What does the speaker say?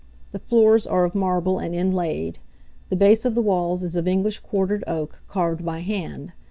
The floors are of marble and inlaid. The base of the walls is of English quartered oak, carved by hand.